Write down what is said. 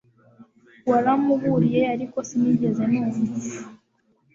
Waramburiye ariko sinigeze numva